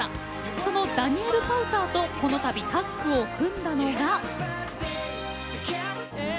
そのダニエル・パウターとこのたびタッグを組んだのが。